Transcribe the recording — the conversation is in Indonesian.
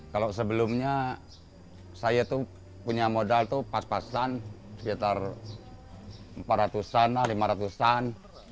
kalau sebelumnya saya punya modal pas pasan sekitar rp empat ratus an rp lima ratus an